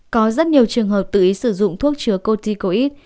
có rất nhiều trường hợp tự ý sử dụng thuốc chứa coticoid